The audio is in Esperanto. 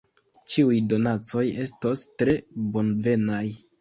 Ĉiuj donacoj estos tre bonvenaj.